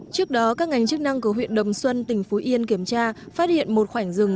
trước đó các ngành chức năng của huyện đồng xuân tỉnh phú yên kiểm tra phát hiện một khoảnh rừng